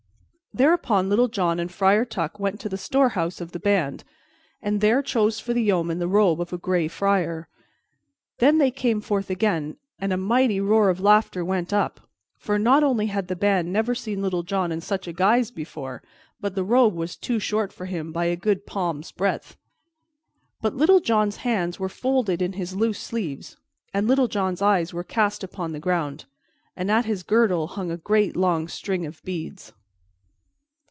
Thereupon Little John and Friar Tuck went to the storehouse of the band, and there chose for the yeoman the robe of a Gray Friar. Then they came forth again, and a mighty roar of laughter went up, for not only had the band never seen Little John in such guise before, but the robe was too short for him by a good palm's breadth. But Little John's hands were folded in his loose sleeves, and Little John's eyes were cast upon the ground, and at his girdle hung a great, long string of beads.